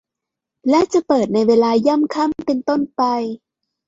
และจะเปิดในเวลาย่ำค่ำเป็นต้นไป